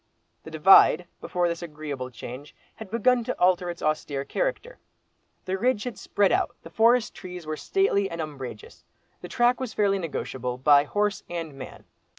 The "Divide," before this agreeable change, had begun to alter its austere character. The ridge had spread out, the forest trees were stately and umbrageous, the track was fairly negotiable by horse and man.